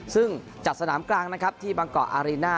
ซึ่งจัดสนามกลางนะครับที่บางเกาะอารีน่า